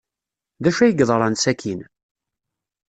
D acu ay yeḍran sakkin?